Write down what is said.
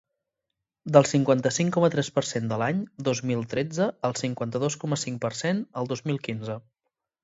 Del cinquanta-cinc coma tres per cent de l’any dos mil tretze al cinquanta-dos coma cinc per cent el dos mil quinze.